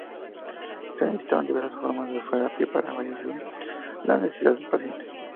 Se necesitan diversas formas de terapia que varían según las necesidades del paciente.